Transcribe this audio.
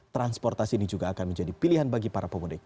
transportasi ini juga akan menjadi pilihan bagi para pemudik